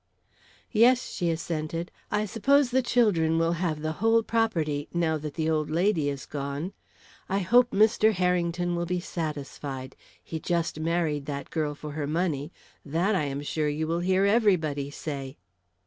"Yes," she assented. "I suppose the children will have the whole property, now that the old lady is gone. I hope Mr. Harrington will be satisfied. He just married that girl for her money. That, I am sure, you will hear everybody say."